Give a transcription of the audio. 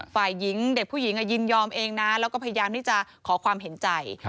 ฝ่ายหญิงเด็กผู้หญิงยินยอมเองนะแล้วก็พยายามที่จะขอความเห็นใจ